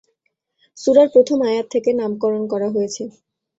সূরার প্রথম আয়াত থেকে নামকরণ করা হয়েছে।